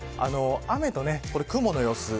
雨と雲の様子。